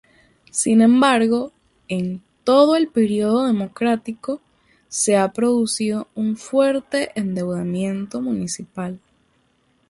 Sin embargo en todo el periodo democrático se ha producido un fuerte endeudamiento municipal.